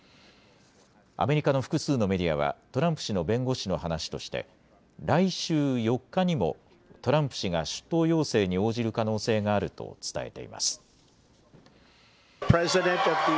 アメリカの複数のメディアは、トランプ氏の弁護士の話として、来週４日にも、トランプ氏が出頭要請に応じる可能性があると伝えています。